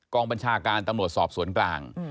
บัญชาการตำรวจสอบสวนกลาง